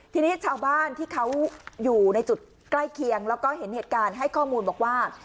ทีนี้ชาวบ้านที่เขาอยู่ในจุดใกล้เคียงแล้วก็เห็นเหตุการณ์ให้ข้อมูลบอกว่า